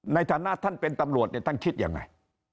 ในฐานะท่านเป็นตำรวจเนี่ยท่านคิดยังไง